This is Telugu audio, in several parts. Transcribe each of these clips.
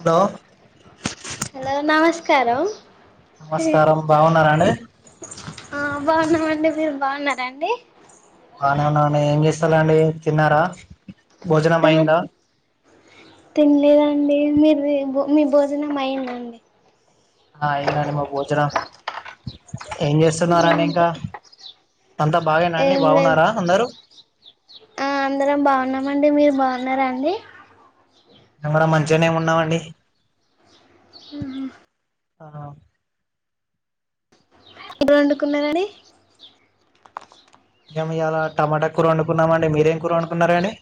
హలో హలో నమస్ స్కారం నమస్కారం బాగున్నారాండి ఆ బాగున్నామండి మీరు బాగున్నారండి బానే ఉన్నామండి ఏం చేస్తున్న అండి తిన్నారా భోజనం అయిందా తినలేదండి మీరు అది మీ భోజనం మైంద అండి ఆ అయిందండి మా భోజనం ఏం చేస్తున్నారా అండి ఇంకా అంతా బాగేనాండి ఏం లేదు బాగున్నారా అందరు తిన్నారాండి కెమెరా కూడా మంచిగానే ఉన్నావండి ఊ ఆ వండుకున్నదని మేము ఇయాలా టమాటా కూర వండుకున్నామ అండి మీరేం కూర వండుకున్నారండి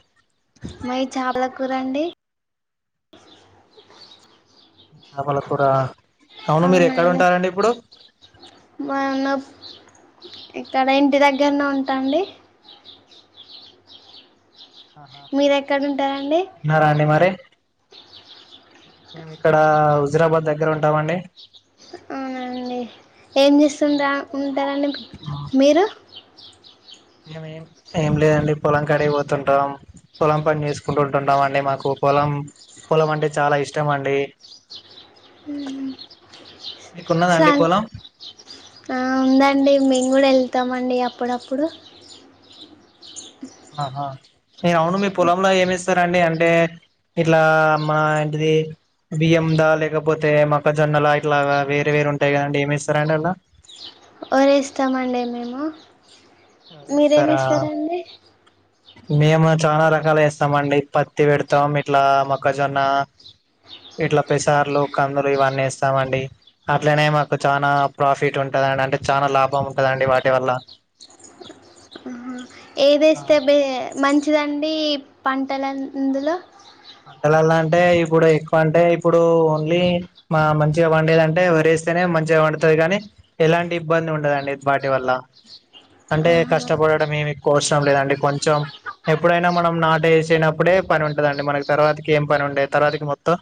మై చాపల కూరండి చాపల కూర అవును మీరు ఎక్కడ ఉంటారండి ఇప్పుడు [inaudible] మన్న ఇక్కడ ఇంటి దగ్గరనే ఉంటాండి ఆహా మీరు ఎక్కడ ఉంటారండి తిన్నారా అండి మరి మేము ఇక్కడ హుజురాబాద్ దగ్గర ఉంటామండి అవునండి ఏం చేస్తుంద ఉందా రని మీరు ఆ [inaudible] మేముేం ఏం లేదండి పొలం కాడికీ పోతుంటాం పొలం పని చేసుకుంటు ఉంటుంటాం అండి మాకు పొలం పొలం అంటే చాలా ఇష్టం అండి మీకున్నదండి సాం పోలం ఉందండి మేము కూడా వెళ్తామండి అప్పుడప్పుడు ఆహా హే అవును మీ పొలంలో ఏమి ఇస్తారండి అంటే ఇట్లా మా ఇంటిది బియ్య దా లేకపోతే మక్కజొన్నలా ఇట్లా వేరే వేరూ ఉంటాయి కదండి ఏమి ఇస్తార రండి అలా వారి ఇస్తామండి మేము మీరేమి వేస్తారా ఏస్తారండి మేము చాలా రకాలు ఇస్తాము అండి పత్తి పెడతాం ఇట్లా మొక్కజొన్న ఇట్లా పెసార్లు కందులు ఇవన్నీ ఇస్తామండి అట్లనే మాకు చనా ప్రాఫిట్ ఉంటందండి అంటే చాల లాభం ఉంటదండి వాటి వల్ల ఏది ఆ ఇస్తే బెటర్ మంచిదండి పంటలాందులో పంటలలా అంటే ఇప్పుడు ఎక్కువ అంటే ఇప్పుడు ఓన్లీ మంచిగా వండేది అంటే వారి వేస్తేనే మంచిగా పడుతుంది కాని ఎలాంటి ఇబ్బంది ఉండదండి వాటి వల్ల అంటే ఆహా కష్టపడడం ఏమి ఎక్కువ అసరం లేదండి కొంచెం ఎప్పుడైనా మనం నాట వేసినప్పుడే పని ఉంటదండి మనకి తర్వాతికి ఏం పని ఉండే తర్వాతికి మొత్తం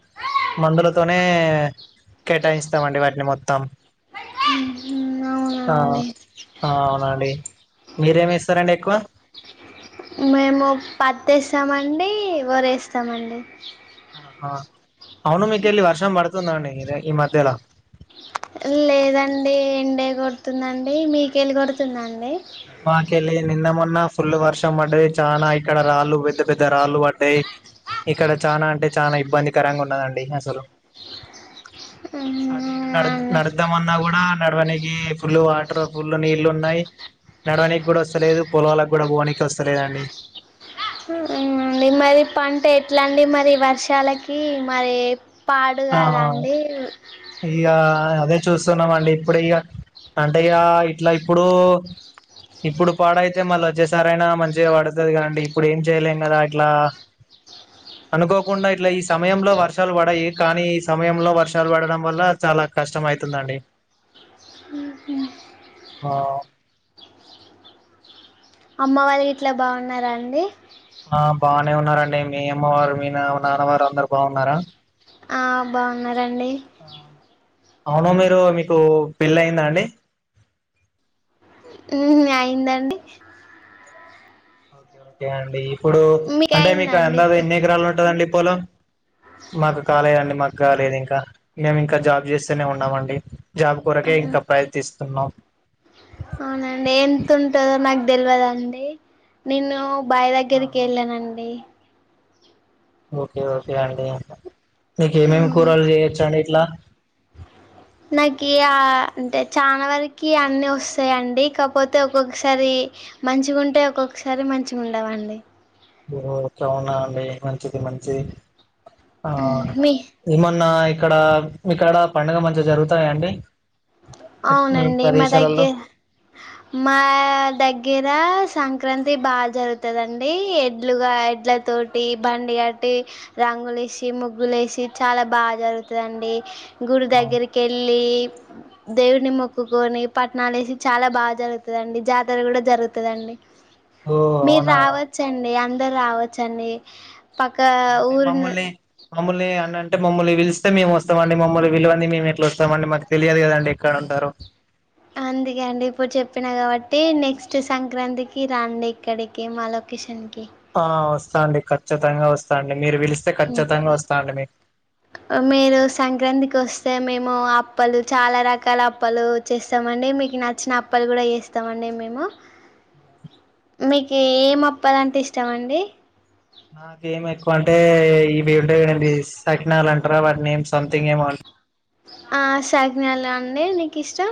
మందులతోనే కేటాయిస్తామండి వాటిని మొత్తం ఉమ్, అవునండి ఆ అవునండి మీరేమి ఇస్తారంండి ఎక్కువ మేము పతి వేస్తామండి వారి వేస్తామండి అవును మీకెళ్ళి వర్షం పడుతుందండి ఈ మధ్యలో లేదండి ఎండే కొడుతుందండి మీకెళ్ళి కొడుతుందండి నాకతే నిందామన్నా ఫుల్ వర్షం పడ్డది చాలనా ఇక్కడ రాళ్ళు పెద్ద పెద్ద రాళ్ళు పడ్డాయి ఇక్కడ చానా అంటే చనా ఇబ్బందికరంగా ఉన్నదండి అసలు అటు ఇటు నడ అండి నడదాంమన్నా కూడా నడవనికి ఫుల్ వాటర్ ఫుల్ నీళ్లుు ఉన్నాయి నడవనికి కూడా వస్తలేదు పొలకు కూడా పోనీకి వస్తలేదండి మరి పంట ఎట్లాండి మరి వర్షాలకి మరి పాడు ఆ కాదండి ఇగ అదే చూస్తున్నాం అండి ఇప్పుడుక అంటే ఇక ఇట్లా ఇప్పుడు ఇప్పుడు పాడయితే మళ్ళీ వచ్చేసరయినా మంచిగా పడుతుంది కదండి ఇప్పుడు ఏం చేయలేం కదా ఇట్లా అనుకోకుండా ఇట్లా ఈ సమయంలో వర్షాలు పడ కానీ ఈ సమయంలో వర్షాలు పడడం వల్ల చాలా కష్టం అవుతుందండి ఆ అమ్మ వాళ్ళకి ఇట్లా బాగున్నారా అండి బాగానే ఉన్నారంండి మీ అమ్మవారు మీ నాన్న వాళ్ళు అందరు బాగున్నారా ఆ బాగున్నారా ఆండీ ఆ, అవును మీరు మీకు పెళ్లిి అయిందా అండి హమ్ అయింది ఓకే అండి ఇప్పుడు అంటే మీకు ఆన్ అయిందండి దాసు ఇప్పుడు ఎన్ని ఎకరాలు ఉంటదండి పాలం మాకు కాలేదండి మాకు ఇంకా లేదు ఇంకా మేము ఇంకా జాబ్ చేస్తేనే ఉన్నామండి జాబ్ కొరకే ఇంకా ప్రయత్నిస్తున్నాం అవుండి ఎంత ఉంటుందో నాకు తెలియదండి నేను బయి దగ్గరికి ఆహా. వెళ్ళానండి ఓకే ఓకే అండి నీకు ఏమేమి కూరలు చేయొచ్చండి ఇంట్ల నాకు ఆ అంటే చాలా వరకి అన్నిీ వస్తాయిండి కాకపోతే ఒక్కొక్కసారి మంచిగా ఉంటే ఒక్కొక్కసారి మంచిగా ఉండవండి ఓ అవున అండి మంచిది మంచి ఆ మీ ఏమన్నా ఇక్కడ ఇక్కడ పండుగ మంచిగా జరుగుతాయంండి అవునండి మా దగ్గర మా దగ్గర సంక్రాంతి బాగా జరుగుతదండి ఎడ్లుగా ఎడ్లతోటి బండి కట్టి రంగులు వేసి ముగ్గులు వేసి చాలా బాగా జరుగుతుందండి గుడి దగ్గరికి వెళ్ళి దేవుడిని మొక్కుకొని పట్టణాలేసి చాలా బాగా జరుగుతదండి జాతర కూడా జరుగుతదండి ఓ మీరు అవునా రావచ్చండి అ రావచ్చ అండీ అంటే మమ్మల్ని మమ్మల్ని అన్నని అంటే మమ్మల్ని పిలిస్తే మేము వస్తామండి మమ్మల్ని పిలవంది మేము ఎట్లా వస్తామండి మాకు తెలియదు కదండి ఎక్కడ ఉంటారు అందుకే అండి ఇప్పుడు చెప్పినా కాబట్టి నెక్స్ట్ సంక్రాంతికి రండి ఇక్కడికి మా లొకేషన్ కి ఆ వస్తాండి ఖచ్చితంగా వస్తాండి మీరు సంక్రాంతికి వస్ తే మేము అప్పలు చాలా రకాల అప్పలు చేేస్తామ అండి మీకు నచ్చిన అప్పలు కూడా చేస్తామండి మేము మీకు ఏం అప్పాలంటే ఇస్తామండి నాకేం ఎక్కువ అంటే ఇవింట సకినాల అంటారా వాటిని ఏం సంథింగ్ ఏమ ఆ సాగనాల అండి మీకు ఇష్టం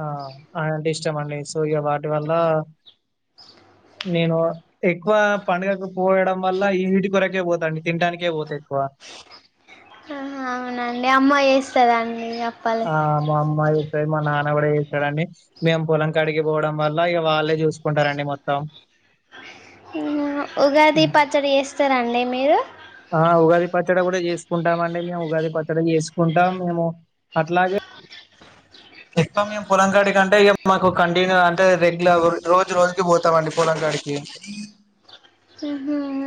ఆ అంటే ఇష్టమ అండి సో ఇక వాటి వల్ల నేను ఎక్కువ పండుగకు పోయడం వల్ల ఈ వీటి కొరకే పోతాండి తినాటానికే పోతా ఎక్కువ. అవునండి అమ్మా ఏసి సరే ఆ మాఅమ్మాయి మా నాన్న కూడా చేస్తడండి మేము పొలం కడిగిపోవడం వల్ల ఇక వాళ్ళే చూసుకుంటారండి మొత్తం ఉగాది పచ్చడి చేస్తారండీ మీరు ఆ ఉగాది పచ్చడి కూడా చేసుకుంటామ అండి మేము ఉగాది పచ్చడి చేసుకుంటాం మేము అట్లాగే ఎ మేము పొలంకాడికి అంటే ఇ మాకు కంటిన్యూ అంటే రెగ్యులర్ రోజు రోజుకి పోతామండి పొలంకాడికి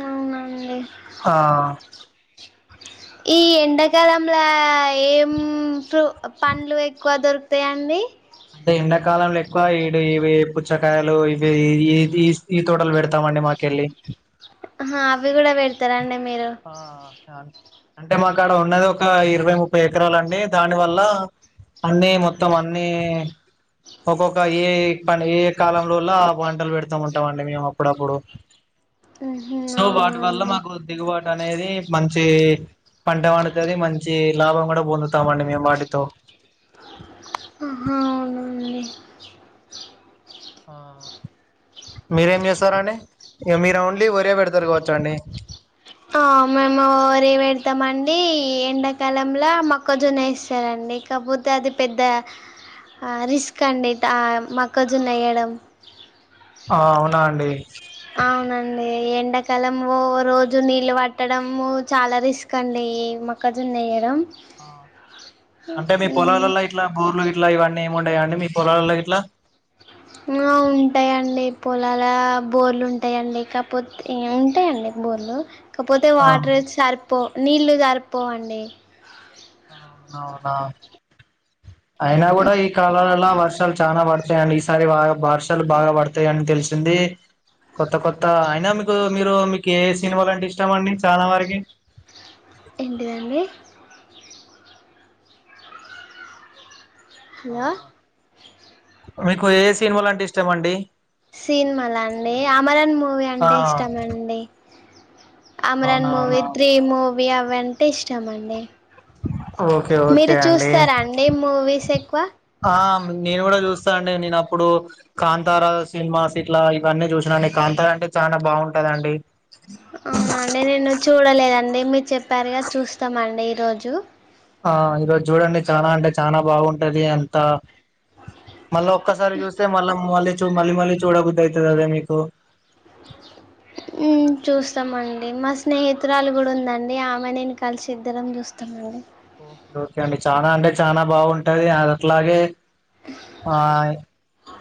అవునండి ఆ ఈ ఎండాకాలంలో ఏం పండ్లు ఎక్కువ దొరుకుతాయిండి అంటే ఎండాకాలంలో ఎక్కువ ఇడు ఇవి పుచ్చకాయలు ఇవి ఈ ఈ తోటలు పెడతామండి మాకెళ్ళి హ అవి కూడా పెడతార అండి ఆ క అంటే మాకాడ ఉన్నది ఒక ఇరవై ముప్పై ఎకరాలు అండి దాని వల్ల అన్ని మొత్తం అన్నీ ఒకొక్క ఏ ప ఏ కాలంలోల్ల పంటలు పెడుతా ఉంటాం అండి మేము అప్పుడప్పుడు సో వాటి అవునా వల్ల అండి మాకు దిగుబడు అనేది మంచి పంట పండుతుంది మంచి లాభం కూడా పొందుతామ అండి మేము వాటితో ఆహా అవునా అండీ ఆ మీరేం చేస్తారండి మీరు ఓన్లీ ఒరియా పెడతారు కావచ్చు అండి మేము ఒరియా పెడతామండి ఎండాకాలంలో మొక్కజొన్న వేస్తారండి కాకపోతే అది పెద్ద రిస్క్ అండి మొక్కజొన్న వేయడం ఆ అవునా అండి అవునండి ఎండాకాలం రోజు నీళ్ళు పట్టడం చాలా రిస్క్ అండి ఈ మొక్కజొన్న వేయడం ఆ అంటే మీ పొలాలలో ఇట్లా బోర్లు ఇట్లా ఇవన్నీ ఏముంటయా అండీ మీ పొలాలలో ఇట్లా ఆ ఉంటాయండి పోలాల బోర్లు ఉంటాయండి కాకపోతే ఉంటాయండి బోర్లు కాకపోతే ఆ వాటర్ సరిపో నీళ్ళలు జరిపోవండి ఆ అవునావునా అయినా కూడా ఈ కాలాలలా వర్షాలు చాలా పడతాయిండి ఈసారి వర్షాలు బాగా పడతాయిని తెలిసింది కొత్త కొత్త అయినా మీకు మీరు మీకు ఏ సినిమలుంటే ఇష్టామ అండి చాలా వరకి ఏంటిదండి ఆ హలో ఆ మీకు ఏ సినిమాల్ అంటే ఇష్టం అండి సినిమాలా అండి అమరన్ మూవీ ఆ అంటే ఇష్టం అండి అమరాన్ మూవీ అవునవునా త్రీ మూవ్ వి అవంటే ఇష్టమండి ఓకే ఓకే మీరు అండి చూస్తారా అండి మూవీస్ ఎక్కువ ఆ నేను కూడా చూస్తా అండి నేను అప్పుడు కాంతారా సినిమాస్ ఇట్లా ఇవన్నీ చూసినాండి కాంతారా అంటే చాలా బాగుంటాదండి అవునా అండి నేను చూడలేదం డే మీరు చెప్పారుగా చూస్తామండి ఈరోజు ఆ ఈ రో చూడండి చానా అంటే చానా బాగుం ఉంటది అంతా మళ్ళా ఒక్కసారి చూస్తే మళ్ళా మళ్ళీ చూ మళ్ళీ మళ్ళీ చూడ బుద్ధి అయితలేదా మీకు ఉమ్ చూస్తామండి మా స్నేహితురాలు కూడా ఉందండి ఆమె నేను కలిసి ఇద్దరం చూస్తామండి ఓకే ఓకే అండి చానా అంటే చానా బాగుంటది అట్లాగే ఆ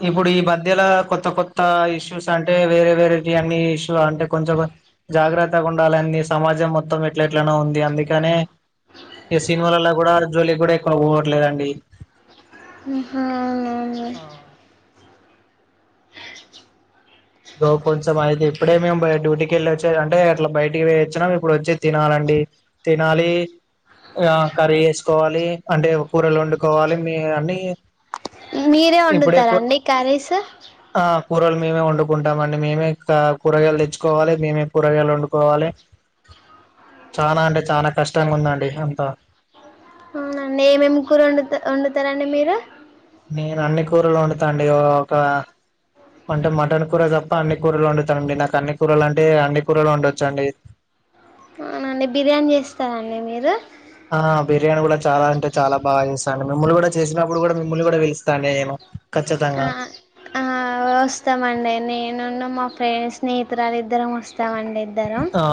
ఇప్పుడు ఈ మధ్యలో కొత్త కొత్త ఇష్యూస్ అంటే వేరే వేరే అన్ని ఇష్యూ అంటే కొంచెం జాగ్రత్తగా ఉండాలని సమాజం మొత్తం ఎట్ల ఎట్లనే ఉంది అందుకనే ఈ సినిమాలలో కూడా జోలి గుడా ఎక్కువ పోవట్లేదండి ఉ హా అవును ఆ లో కొంచెం అయితే ఇప్పుడే మేము డ్యూటీకి వెళ్ళి వచ్చే అంటే అట్లా బయటికి వేచ్చినాము ఇప్పుడు వచ్చి తినాలండి తినాలి ఆ కర్రీ వేసుకోవాలి అంటే కూరలు వండుకోవాలి మీ అన్ని మీరే ఏ వండుతారండి కర్రీస్ కూరల్ మేమే వండు కుంటామండి మేమే క కూరగాయలు తెచ్చుకోవాలి మేమే కూరగాయలు వండుకోవాలి చానా అంటే చానా కష్టంగా ఉందండి అంత నండి ఏమేం కూర వండుత వండుతారండి మీరు నేను అన్ని కూరలు వండుతాండి ఆ ఒక అంటే మటన్ కూర తప్ప అన్ని కూరలు వండుతానండి నాకు అన్ని కూరలు అంటే అన్ని కూరలు వండొచ్చండి అవుండి బిర్యానీ చేస్తారండి మీరు ఆ బిర్యానీ కూడా చాలా అంటే చాలా బాగా చేస్తోండి మిమ్మల్ని కూడా చేసినప్పుడు కూడా మిమ్మల్ని కూడా పిలుస్తానేమో ఆ ఆ వస్తామండి నే ను నన్న మా ఫ్రెండ్స్ స్నేహితురాలు ఇద్దరం వస్త ఆ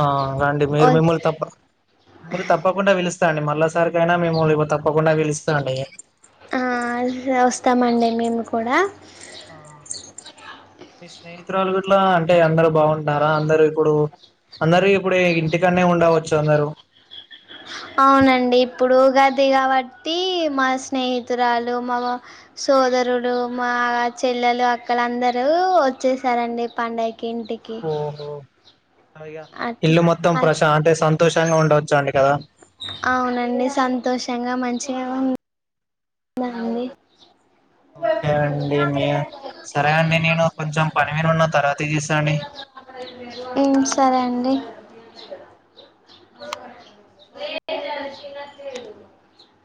రండి మీరు మిమ్మల్ని తప్ప మీరు తప్పకుండా వెలు స్తా అండి మళ్ళ సరికియినా మేము ఇ తప్పకుండా పిలుస్తా అండి అహ్ వస్తామండి మేము కూడా ఆ మీ స్నేహితురాలు గిట్ల అంటే అందరు బాగుంటున్నారా అందరుూ ఇప్పుడు అందరు ఇప్పుడ ఇంటికాడనే ఉండవచ్చు అందరుూ అవునండి ఇప్పుడు ఉగాది కాబట్టి మా స్నేహితురాలు మా సోదరులు మా చెల్లెలు అక్కలందరూ వచ్చేసారండి పండగ్ కింటికి ఆ యా ఇల్లు మొత్తం ప్రశా అంటే సంతోషంగా ఉండచ్చు అండి కదా చే నా అండి ఓకే అండి మీ సరే అండి నేను కొంచెం పని మీద ఉన్న తర్వాత చేస్తా అండి ఉ సరే అండి